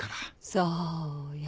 そうよ。